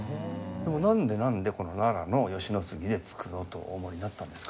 でもなんでこの奈良の吉野杉で作ろうとお思いになったんですか？